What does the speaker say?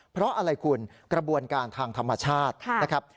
เพราะอะไรคุณกระบวนการทางธรรมชาตินะครับ